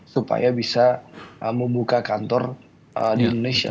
supaya bisa membuka kantor di indonesia